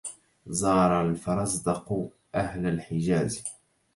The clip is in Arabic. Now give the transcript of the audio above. زار الفرزدق أهل الحجاز